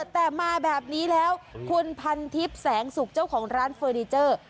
แต่มาแบบนี้แล้วคุณพันทิพย์แสงสุกเจ้าของร้านเฟอร์นิเจอร์